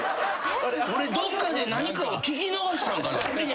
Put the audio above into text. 俺どっかで何かを聞き逃したんかな？